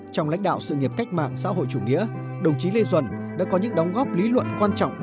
trong lãnh đạo sự nghiệp cách mạng xã hội chủ nghĩa đồng chí lê duẩn đã có những đóng góp lý luận quan trọng